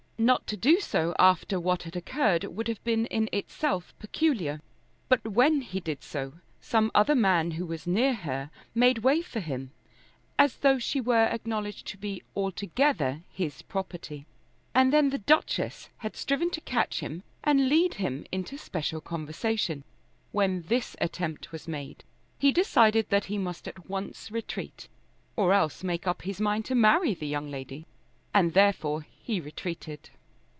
Not to do so after what had occurred would have been in itself peculiar. But when he did so, some other man who was near her made way for him, as though she were acknowledged to be altogether his property. And then the Duchess had striven to catch him, and lead him into special conversation. When this attempt was made he decided that he must at once retreat, or else make up his mind to marry the young lady. And therefore he retreated.